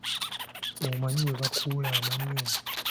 Omanyi bwe bakuula amannyo?